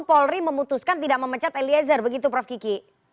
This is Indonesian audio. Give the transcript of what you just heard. polri memutuskan tidak memecat eliezer begitu prof kiki